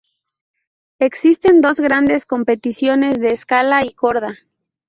Existen dos grandes competiciones de escala i corda.